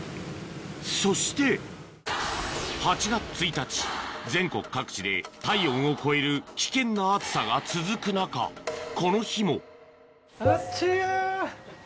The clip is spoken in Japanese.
そして全国各地で体温を超える危険な暑さが続く中この日もあっちぃな。